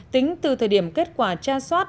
tính từ thời điểm kết quả tra soát